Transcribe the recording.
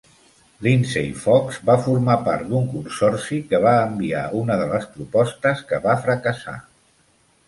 Lindsay Fox va formar part d'un consorci que va enviar una de les propostes que va fracassar.